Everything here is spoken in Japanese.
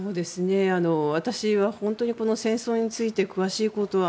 私は本当にこの戦争について詳しいことは